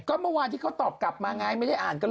ก็มันว่าที่เขาก็ตอบมาไม่ได้อ่านก็เหรอ